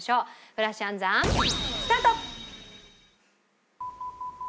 フラッシュ暗算スタート！